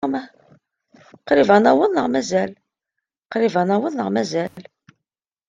Qrib ad naweḍ neɣ mazal?